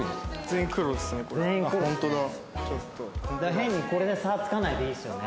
変にこれで差つかないでいいですよね。